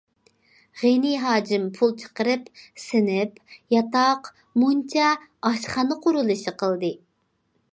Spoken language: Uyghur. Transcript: غېنى ھاجىم پۇل چىقىرىپ سىنىپ، ياتاق، مۇنچا، ئاشخانا قۇرۇلۇشى قىلدى.